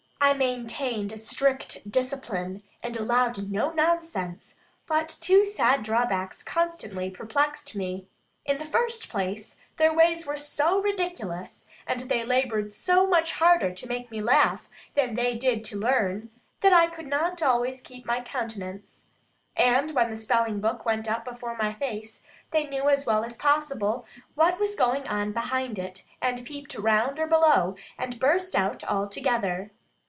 I maintained strict discipline, and allowed no nonsense; but two sad drawbacks constantly perplexed me. In the first place, their ways were so ridiculous, and they laboured so much harder to make me laugh, than they did to learn, that I could not always keep my countenance, and when the spelling book went up before my face, they knew, as well as possible, what was going on behind it, and peeped round or below, and burst out all together.